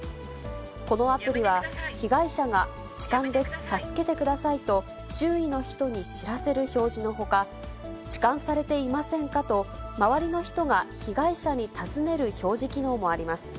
このアプリは、被害者が、痴漢です、助けてくださいと、周囲の人に知らせる表示のほか、ちかんされていませんか？と、周りの人が被害者に尋ねる表示機能もあります。